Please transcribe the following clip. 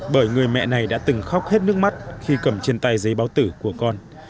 bởi người mẹ này đã từng khóc hết nước mắt khi cầm trên tay giấy báo tử của con